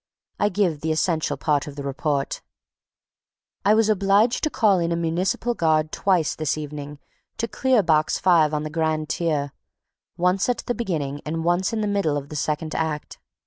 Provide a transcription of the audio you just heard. I give the essential part of the report: I was obliged to call in a municipal guard twice, this evening, to clear Box Five on the grand tier, once at the beginning and once in the middle of the second act.